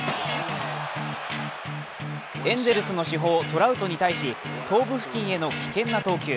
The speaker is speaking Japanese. エンゼルスの主砲・トラウトに対し頭部付近への危険な投球。